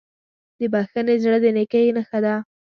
د بښنې زړه د نیکۍ نښه ده.